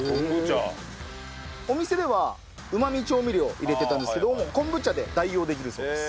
お店ではうまみ調味料を入れてたんですけども昆布茶で代用できるそうです。